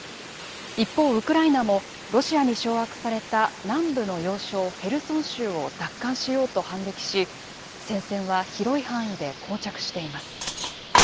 一方ウクライナもロシアに掌握された南部の要衝ヘルソン州を奪還しようと反撃し戦線は広い範囲でこう着しています。